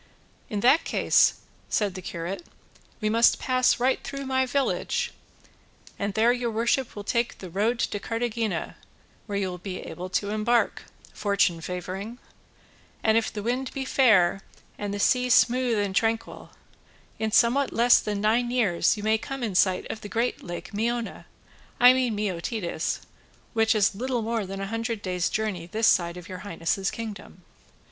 "In that case," said the curate, "we must pass right through my village, and there your worship will take the road to Cartagena, where you will be able to embark, fortune favouring; and if the wind be fair and the sea smooth and tranquil, in somewhat less than nine years you may come in sight of the great lake Meona, I mean Meotides, which is little more than a hundred days' journey this side of your highness's kingdom."